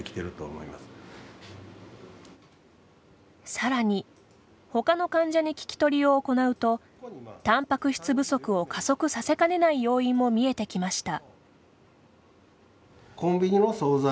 さらに、他の患者に聞き取りを行うとたんぱく質不足を加速させかねない要因も見えてきました。